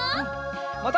また。